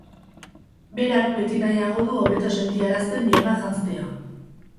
Berak beti nahiago du hobeto sentiarazten diona janztea.